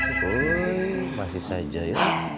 wuih masih saja ya